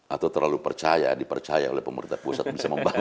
atau terlalu percaya dipercaya oleh pemerintah pusat bisa membangun